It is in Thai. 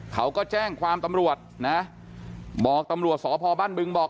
เขาก็แจ้งความตำรวจนะบอกตำรวจสพบ้านบึงบอก